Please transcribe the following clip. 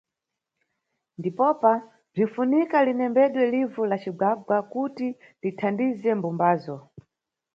Ndipopa, bzinʼfunika linembedwe livu la cigwagwa kuti lithandize mbumbazo.